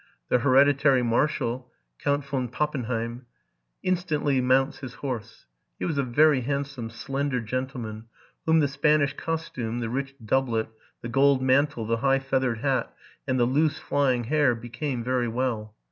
The hereditary marshai, Count von Pappenheim, instantly mounts his horse: he was a very handsome, slender gentleman, whom the Spanish costume, the rich doublet, the gold mantle, the high, feath ered hat, and the loose, flying hair, became very well.